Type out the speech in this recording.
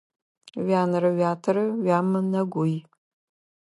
Уянэрэ уятэрэ уямынэгуй.